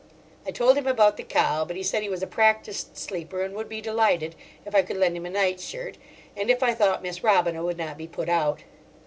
I told him about the cow, but he said he was a practised sleeper and would be delighted, if I could lend him a night shirt, and if I thought Miss Robina would not be put out.